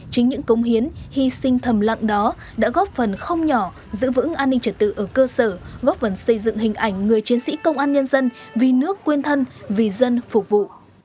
chính những công hiến hy sinh thầm lặng đó đã góp phần không nhỏ giữ vững an ninh trật tự ở cơ sở góp phần xây dựng hình ảnh người chiến sĩ công an nhân dân vì nước quên thân vì dân phục vụ